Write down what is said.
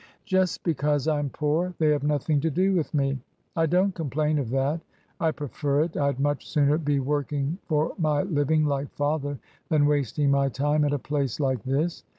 Just because I'm poor they have nothing to do with me. I don't complain of that. I prefer it. I'd much sooner be working for my living like father than wasting my time at a place like this.